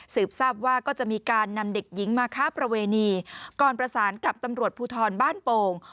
ทราบว่าก็จะมีการนำเด็กหญิงมาค้าประเวณีก่อนประสานกับตำรวจภูทรบ้านโป่ง